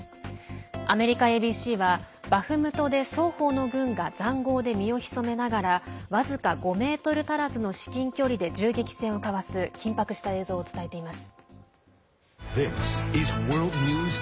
アメリカＡＢＣは、バフムトで双方の軍がざんごうで身を潜めながら僅か５ｍ足らずの至近距離で銃撃戦を交わす緊迫した映像を伝えています。